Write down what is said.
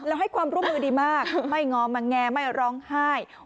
แล้วให้ความร่วมมือดีมากไม่ง้อมาแงไม่ร้องไห้